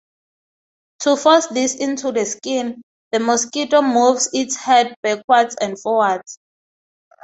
To force these into the skin, the mosquito moves its head backwards and forwards.